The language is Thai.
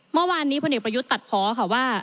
เมื่อวานนี้พนิศประยุทธิ์ตัดเพราะว่า